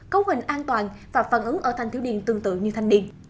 cấu hình an toàn và phản ứng ở thanh thiếu niên tương tự như thanh niên